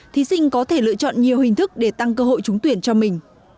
thí sinh có thể lựa chọn nhiều hình thức để tăng cơ hội trúng tuyển cho mình